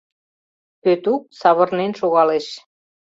Пӧтук савырнен шогалеш.